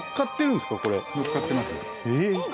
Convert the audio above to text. のっかってます。